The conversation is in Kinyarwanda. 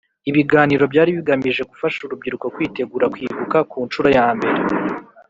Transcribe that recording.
Ibiganiro byari bigamije gufasha urubyiruko kwitegura kwibuka ku nshuro ya mbere